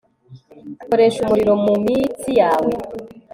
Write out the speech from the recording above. koresha umuriro mumitsi yawe